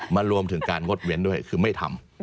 รวมถึงการงดเว้นด้วยคือไม่ทำ